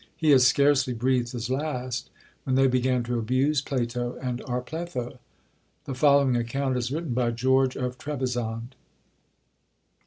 He had scarcely breathed his last when they began to abuse Plato and our Pletho. The following account is written by George of Trebizond.